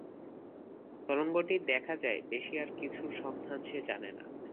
তরঙ্গটি দেখা ছাড়া বেশী আর কিছুর সন্ধান সে জানে না।